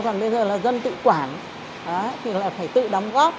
còn bây giờ là dân tự quản thì là phải tự đóng góp